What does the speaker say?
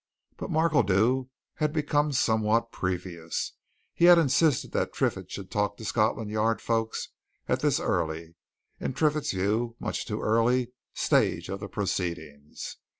But Markledew had become somewhat previous he had insisted that Triffitt should talk to the Scotland Yard folk at this early in Triffitt's view, much too early stage of the proceedings.